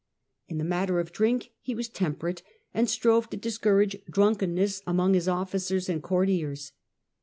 In the matter of drink he was temperate, and strove to discourage drunkenness among his officers and courtiers.